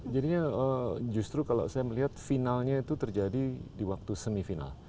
jadinya justru kalau saya melihat finalnya itu terjadi di waktu semifinal